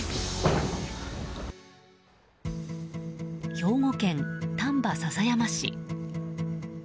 兵庫県丹波篠山市。